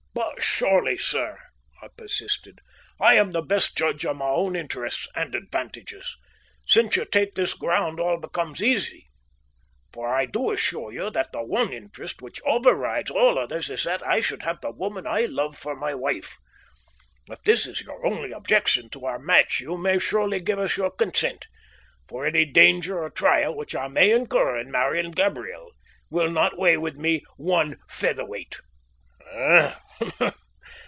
"But surely, sir," I persisted, "I am the best judge of my own interests and advantages. Since you take this ground all becomes easy, for I do assure you that the one interest which overrides all others is that I should have the woman I love for my wife. If this is your only objection to our match you may surely give us your consent, for any danger or trial which I may incur in marrying Gabriel will not weigh with me one featherweight."